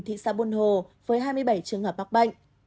thị xã buôn hồ với hai mươi bảy trường hợp mắc bệnh